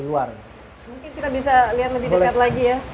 mungkin kita bisa lihat lebih dekat lagi ya